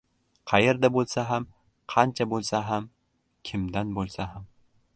Qayerda bo‘lsa ham... Qancha bo‘lsa ham... Kimdan bo‘lsa ham...